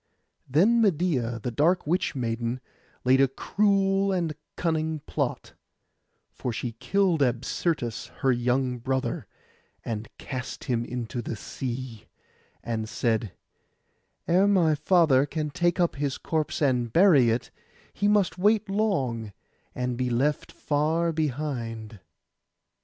Then Medeia, the dark witch maiden, laid a cruel and a cunning plot; for she killed Absyrtus her young brother, and cast him into the sea, and said, 'Ere my father can take up his corpse and bury it, he must wait long, and be left far behind.